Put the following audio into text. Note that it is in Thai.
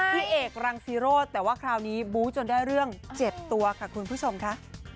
พี่เอกรังซีโรธแต่ว่าคราวนี้บู้จนได้เรื่องเจ็บตัวค่ะคุณผู้ชมค่ะ